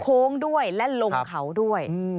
โค้งด้วยและลงเขาด้วย